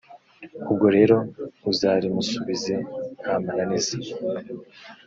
ubwo rero uzarimusubize nta mananiza.